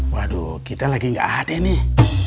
waduh kita lagi gak hati nih